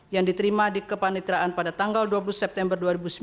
yang diterima di kepanitraan pada tanggal dua puluh september dua ribu sembilan belas